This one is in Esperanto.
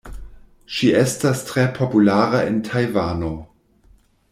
Ŝi estas tre populara en Tajvano.